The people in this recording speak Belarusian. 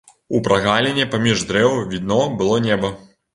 У прагаліне паміж дрэў відно было неба.